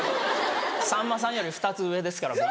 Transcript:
さんまさんより２つ上ですから僕。